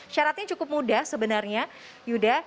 syaratnya cukup mudah sebenarnya yuda